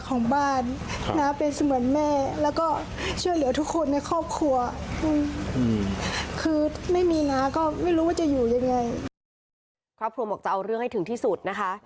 ครอบครัวบอกจะเอาเรื่องให้ถึงที่สุดนะคะ